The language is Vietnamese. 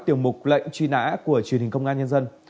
tiểu mục lệnh truy nã của truyền hình công an nhân dân